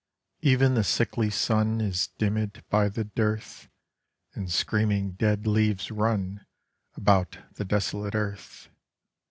Even the sickly Sun Is dimmèd by the dearth, And screaming dead leaves run About the desolate earth.